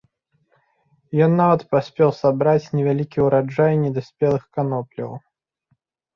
Ён нават паспеў сабраць невялікі ўраджай недаспелых канопляў.